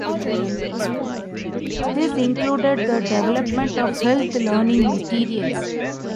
This included the development of health learning materials.